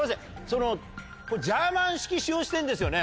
そのこれジャーマン式使用してるんですよね？